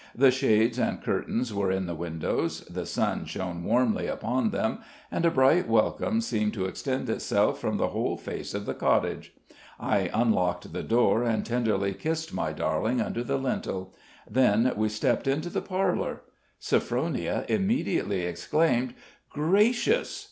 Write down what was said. The shades and curtains were in the windows, the sun shone warmly upon them, and a bright welcome seemed to extend itself from the whole face of the cottage. I unlocked the door and tenderly kissed my darling under the lintel; then we stepped into the parlor. Sophronia immediately exclaimed: "Gracious!"